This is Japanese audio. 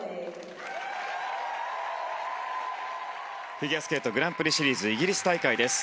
フィギュアスケートグランプリシリーズイギリス大会です。